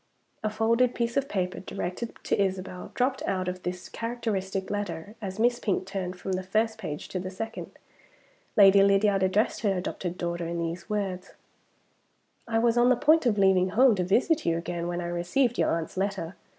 A folded piece of paper, directed to Isabel, dropped out of this characteristic letter as Miss Pink turned from the first page to the second. Lady Lydiard addressed her adopted daughter in these words: "I was on the point of leaving home to visit you again, when I received your aunt's letter.